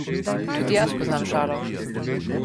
Tudi jaz poznam šalo.